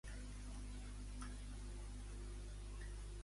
Els pressupostos de Sánchez i les controvèrsies amb el pacte de Cs-PP-Vox.